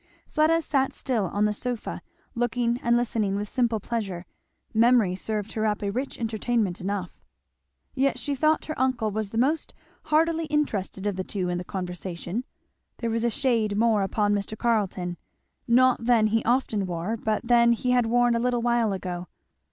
Fleda sat still on the sofa, looking and listening with simple pleasure; memory served her up a rich entertainment enough. Yet she thought her uncle was the most heartily interested of the two in the conversation; there was a shade more upon Mr. Carleton, not than he often wore, but than he had worn a little while ago.